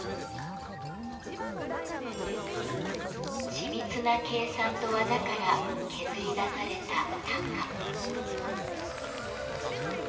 緻密な計算と技から削り出された「鷹」。